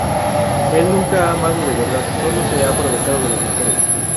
Él nunca ha amado de verdad, sólo se ha aprovechado de las mujeres.